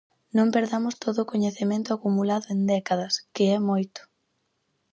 Non perdamos todo o coñecemento acumulado en décadas, que é moito.